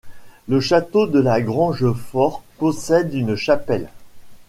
Le château de la Grange Fort possède une chapelle.